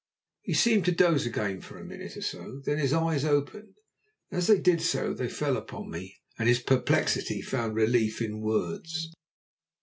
He seemed to doze again for a minute or so, then his eyes opened, and as they did so they fell upon me, and his perplexity found relief in words.